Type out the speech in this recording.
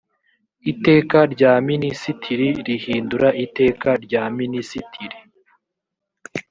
iteka rya minisitiri rihindura iteka rya minisitiri